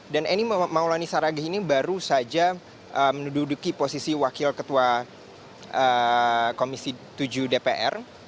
dan eni maulani saragi ini baru saja menduduki posisi wakil ketua komisi tujuh dpr